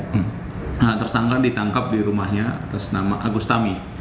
pelaku yang tersangka ditangkap di rumahnya tersenama agustami